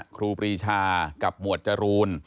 ครูปรีชากับหมวดจรูน